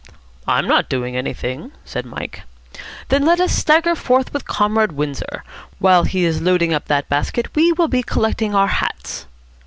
"I'm not doing anything," said Mike. "Then let us stagger forth with Comrade Windsor. While he is loading up that basket, we will be collecting our hats.